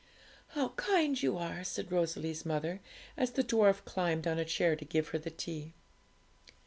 'How kind you are!' said Rosalie's mother, as the dwarf climbed on a chair to give her the tea.